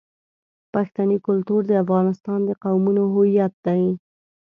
پښتني کلتور د افغانستان د قومونو هویت دی.